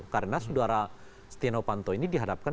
karena sudara steno panto ini dihadapkan